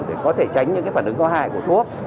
để có thể tránh những phản ứng có hại của thuốc